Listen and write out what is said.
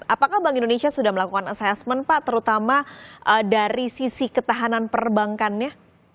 apakah bank indonesia sudah melakukan assessment pak terutama dari sisi ketahanan perbankannya